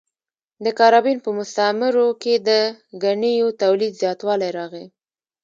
د کارابین په مستعمرو کې د ګنیو تولید زیاتوالی راغی.